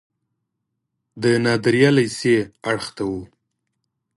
د نادریه لیسې اړخ ته و.